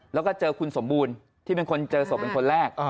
แล้วก็เจอคนสมบูรณ์ที่เจอศพเป็นคนแรก